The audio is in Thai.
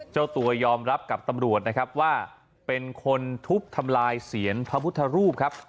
เจ้าตัวยอมรับกับตำรวจนะครับว่าเป็นคนทุบทำลายเสียนพระพุทธรูปครับ